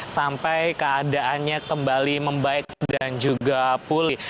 sampai keadaannya kembali membaik dan juga pulih